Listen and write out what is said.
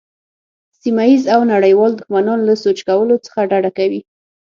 سیمه ییز او نړیوال دښمنان له سوچ کولو څخه ډډه کوي.